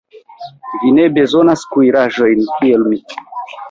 Vi ne bezonas kuiraĵojn, kiel mi.